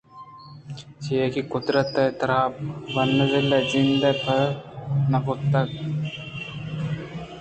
چیاکہ قُدرت ءَ ترا بانزُل ءِ جند پِر نہ کُتگ